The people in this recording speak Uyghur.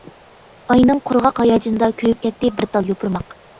ئاينىڭ قۇرغاق ھاياجىنىدا، كۆيۈپ كەتتى بىر تال يوپۇرماق.